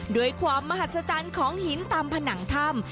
ด้วยความมหัศจรรย์ของหินตามผนังถ้ำ